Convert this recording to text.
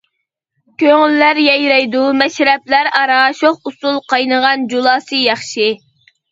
كۆڭۈللەر يايرايدۇ مەشرەپلەر ئارا، شوخ ئۇسۇل قاينىغان جۇلاسى ياخشى.